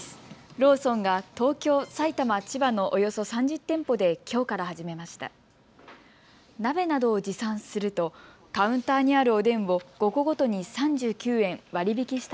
ローソンが東京、埼玉、千葉のおよそ３０店舗できょうから始めました。